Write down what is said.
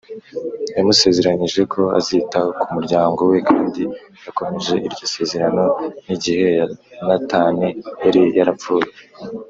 Yamusezeranyije ko azita ku muryango we kandi yakomeje iryo sezerano n igihe yonatani yari yarapfuye